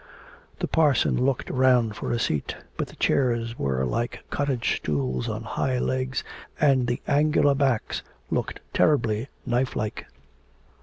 The parson looked round for a seat, but the chairs were like cottage stools on high legs, and the angular backs looked terribly knife like.